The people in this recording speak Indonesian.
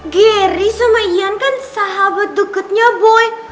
gary sama ian kan sahabat deketnya boy